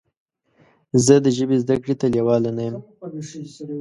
زه د ژبې زده کړې ته لیواله نه یم.